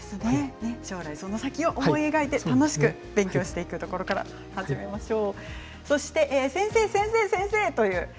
将来、その先を思い描いて楽しく勉強していくところから始めましょう。